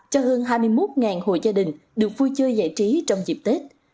cho hơn hai mươi một hộ gia đình được vui chơi giải trí trong dịp tết